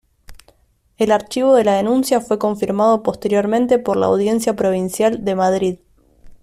El archivo de la denuncia fue confirmado posteriormente por la Audiencia Provincial de Madrid.